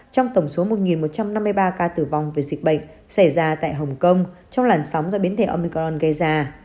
trong tổng số một một trăm năm mươi ba ca tử vong vì dịch bệnh xảy ra tại hồng kông trong làn sóng do biến thể omicron gây ra